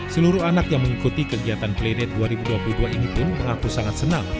seluruh anak yang mengikuti kegiatan playdate dua ribu dua puluh dua ini pun mengaku sangat senang